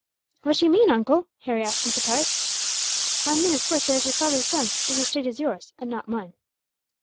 "What do you mean, uncle?" Harry asked, in surprise. "I mean, of course, that as your father's son, this estate is yours, and not mine."